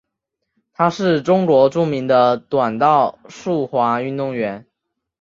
她是中国著名的短道速滑运动员。